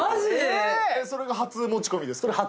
それが初持ち込みですか？